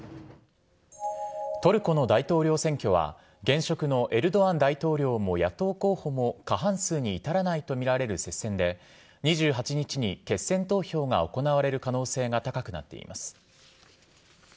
トルコの大統領選挙は、現職のエルドアン大統領も野党候補も過半数に至らないと見られる接戦で、２８日に決選投票が行われる可能性が高くなっています。